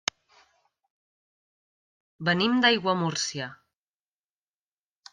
Venim d'Aiguamúrcia.